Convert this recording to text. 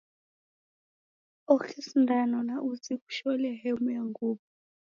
Oke sindano na uzi kushone hemu ya nguw'o